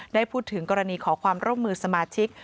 ได้พูดถึงกรณีขอความร่วมมือสมาชิก